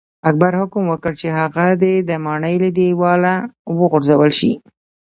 اکبر حکم وکړ چې هغه دې د ماڼۍ له دیواله وغورځول شي.